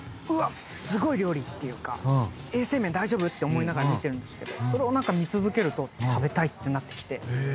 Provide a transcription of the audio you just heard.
ていうか衛生面大丈夫？って思いながら見てるんですけどそれを見続けると食べたいってなってきて。